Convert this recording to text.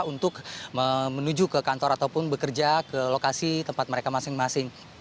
untuk menuju ke kantor ataupun bekerja ke lokasi tempat mereka masing masing